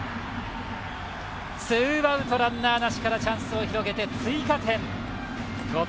ツーアウト、ランナーなしからチャンスを広げて追加点。